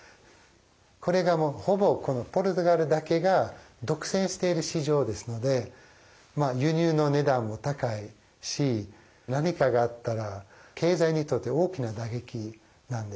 これがもうほぼポルトガルだけが独占している市場ですので輸入の値段も高いし何かがあったら経済にとって大きな打撃なんです。